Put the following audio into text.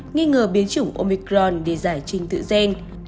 nghi ngờ biến chủng omicron để giải trình tự gen